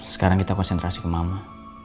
sekarang kita konsentrasi ke mama